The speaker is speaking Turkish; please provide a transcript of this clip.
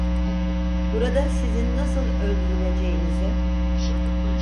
Burada sizin nasıl öldürüleceğinize…